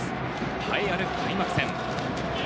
栄えある開幕戦。